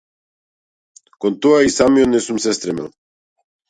Кон тоа и самиот не сум се стремел.